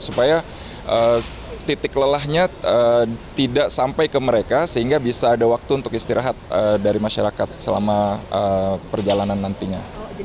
supaya titik lelahnya tidak sampai ke mereka sehingga bisa ada waktu untuk istirahat dari masyarakat selama perjalanan nantinya